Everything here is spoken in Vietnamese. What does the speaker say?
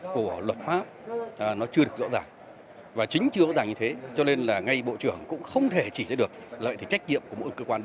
của luật pháp nó chưa được rõ ràng và chính chưa rõ ràng như thế cho nên là ngay bộ trưởng cũng không thể chỉ ra được lợi thì trách nhiệm của mỗi cơ quan